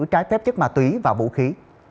trái phép chất ma túy và vũ khí